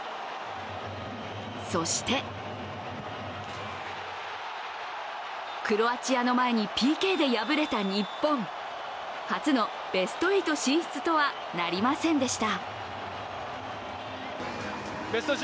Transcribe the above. そしてクロアチアの前に、ＰＫで敗れた日本初のベスト８進出とはなりませんでした。